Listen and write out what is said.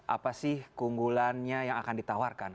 apa sih keunggulannya yang akan ditawarkan